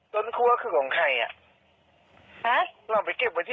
แล้วเลขตัวเนี้ยมันอยู่ที่อาจารย์น่ะเออแต่ไม่รู้ว่าเราไปซุกไว้ไหน